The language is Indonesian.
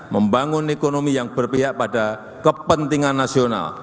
membangun ekonomi yang berpihak pada kepentingan nasional